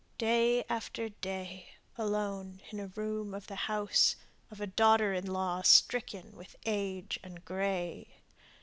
Day after day alone in a room of the house Of a daughter in law stricken with age and gray.